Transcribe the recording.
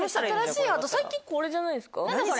最近これじゃないですか？